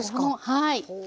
はい。